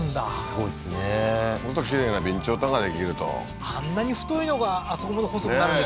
すごいですねするときれいな備長炭ができるとあんなに太いのがあそこまで細くなるんですもんね